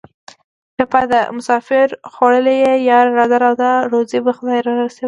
ټپه ده: مسافرو خوړلیه یاره راځه راځه روزي به خدای را رسوینه